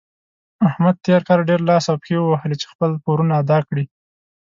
احمد تېر کار ډېر لاس او پښې ووهلې چې خپل پورونه ادا کړي.